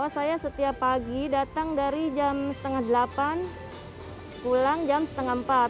saya setiap pagi datang dari jam setengah delapan pulang jam setengah empat